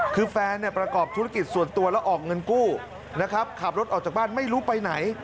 คือแฟนประกอบธุรกิจส่วนตัวแล้วออกเงินกู้นะครับขับรถออกจากบ้านไม่รู้ไปไหน